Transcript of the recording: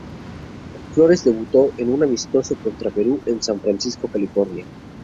Flores debutó en un amistoso contra Perú en San Francisco, California.